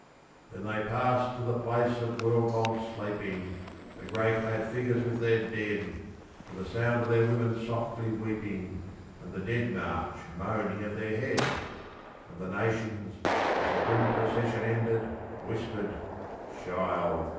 ..... Then they passed to the place of world long sleeping, The grey clad figures with their dead, To the sound of their women softly weeping And the Dead March moaning at their head: And the Nations, as the grim procession ended, Whispered, 'Child!